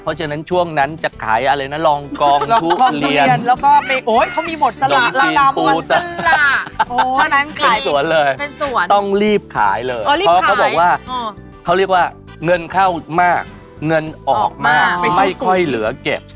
เป็นสวนเลยต้องรีบขายเลยเพราะเขาบอกว่าเขาเรียกว่าเงินเข้ามากเงินออกมากไม่ค่อยเหลือเก็บ